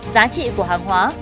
giá trị của hàng hóa